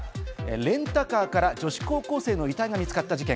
レンタカーから女子高校生の遺体が見つかった事件。